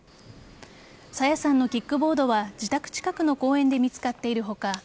朝芽さんのキックボードは自宅近くの公園で見つかっている他